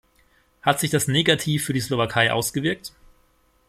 Hat sich das negativ für die Slowakei ausgewirkt?